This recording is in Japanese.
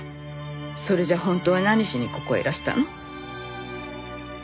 それじゃあ本当は何しにここへいらしたの？